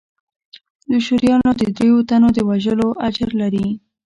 د شورويانو د درېو تنو د وژلو اجر لري.